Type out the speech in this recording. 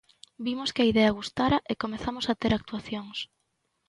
Vimos que a idea gustara e comezamos a ter actuacións.